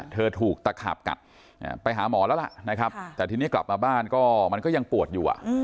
เธอถูกตะขาบกัดไปหาหมอแล้วล่ะแต่ทีนี้กลับมาบ้านก็ยังปวดอยู่